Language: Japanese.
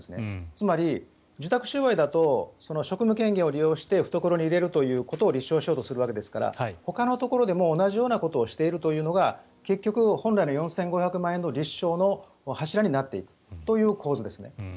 つまり、受託収賄だと職務権限を利用して懐に入れるということを立証しようとするわけですからほかのところでも同じよなことをしているというのが結局、本来の４５００万円の立証の柱になっていくという構図ですね。